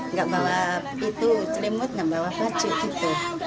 nggak bawa itu selimut nggak bawa baju gitu